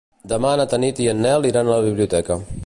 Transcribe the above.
Demà na Tanit i en Nel iran a la biblioteca.